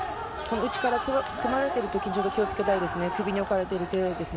内から組まれている時ちょっと気を付けたいですね。